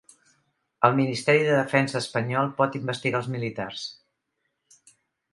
El Ministeri de Defensa espanyol pot investigar els militars